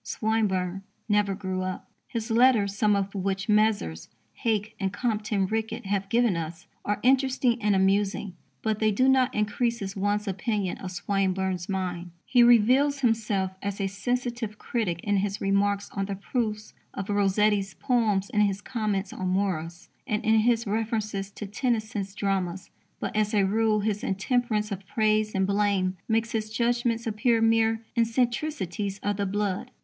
Swinburne never grew up. His letters, some of which Messrs. Hake and Compton Rickett have given us, are interesting and amusing, but they do not increase one's opinion of Swinburne's mind. He reveals himself as a sensitive critic in his remarks on the proofs of Rossetti's poems, in his comments on Morris, and in his references to Tennyson's dramas. But, as a rule, his intemperance of praise and blame makes his judgments appear mere eccentricities of the blood.